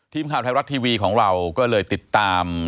ทีมข่าวไทยรัฐทีวีของเราก็เลยติดตาม